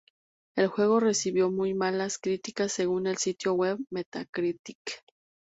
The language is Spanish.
El juego recibió muy malas críticas según el sitio web Metacritic.